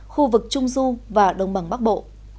hai nghìn hai mươi khu vực trung du và đông bằng bắc bộ